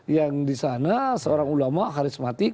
yang disana seorang ulama karismatik